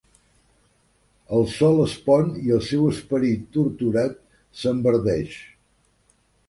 El sol es pon i el seu esperit torturat s'enverdeix.